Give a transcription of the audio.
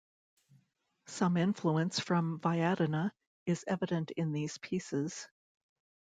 Some influence from Viadana is evident in these pieces.